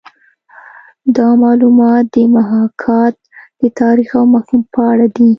دا معلومات د محاکات د تاریخ او مفهوم په اړه دي